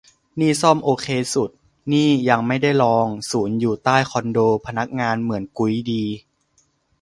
นี่ซ่อมโอเคสุด นี่ยังไม่ได้ลอง ศูนย์อยู่ใต้คอนโด พนักงานเหมือนกุ๊ยดี